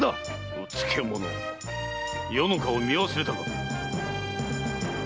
うつけ者余の顔を見忘れたか！